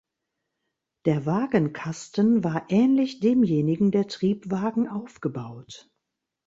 Der Wagenkasten war ähnlich demjenigen der Triebwagen aufgebaut.